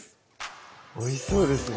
おいしそうですね